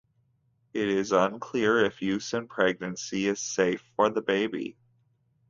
It is unclear if use in pregnancy is safe for the baby.